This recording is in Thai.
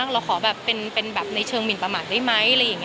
เราขอเป็นแบบในเชิงหมินประหมันได้ไหม